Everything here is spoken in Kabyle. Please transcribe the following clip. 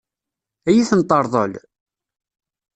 Ad iyi-ten-teṛḍel?